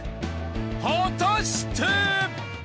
［果たして！？］